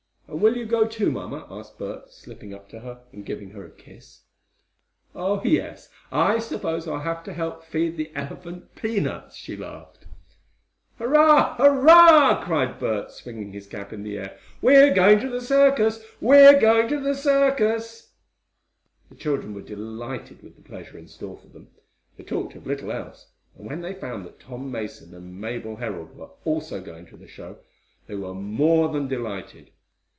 "And will you go, too, mamma?" asked Bert, slipping up to her, and giving her a kiss. "Oh, yes, I suppose I'll have to help feed the elephant peanuts," she laughed. "Hurray! Hurrah!" cried Bert, swinging his cap in the air. "We're going to the circus! We're going to the circus!" The children were delighted with the pleasure in store for them. They talked of little else, and when they found that Tom Mason and Mabel Herold were also going to the show, they were more than delighted.